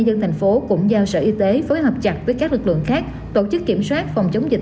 tp hcm cũng giao sở y tế phối hợp chặt với các lực lượng khác tổ chức kiểm soát phòng chống dịch